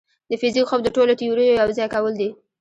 د فزیک خوب د ټولو تیوريو یوځای کول دي.